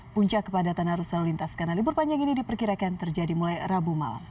puncak kepadatan arus lalu lintas karena libur panjang ini diperkirakan terjadi mulai rabu malam